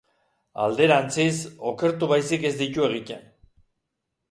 Alderantziz, okertu baizik ez ditu egiten.